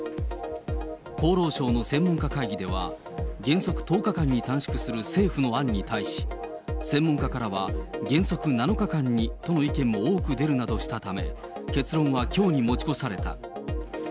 厚労省の専門家会議では、原則１０日間に短縮する政府の案に対し、専門家からは、原則７日間にとの意見も多く出るなどしたため、結論はきょうに持ち越された。